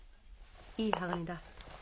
いい鋼だ。